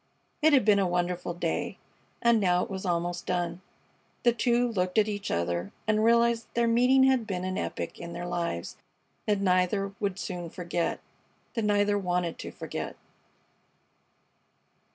It had been a wonderful day, and now it was almost done. The two looked at each other and realized that their meeting had been an epoch in their lives that neither would soon forget that neither wanted to forget.